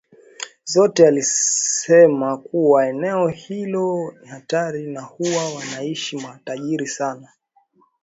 Zo alisema kuwa eneo hilo ni hatari na huwa wanaishi matajiri sana